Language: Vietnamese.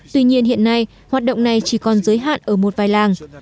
tuy nhiên hiện nay hoạt động này chỉ còn giới hạn ở một vài làng